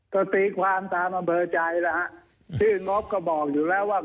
ก็ตีความตามอำเภอใจแล้วฮะชื่องบก็บอกอยู่แล้วว่า